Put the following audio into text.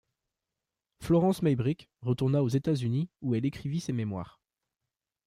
Florence Maybrick retourna aux États-Unis où elle écrivit ses mémoires.